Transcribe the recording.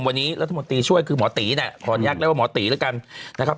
วันนี้รัฐมนตรีช่วยคือหมอตีเนี่ยขออนุญาตเรียกว่าหมอตีแล้วกันนะครับ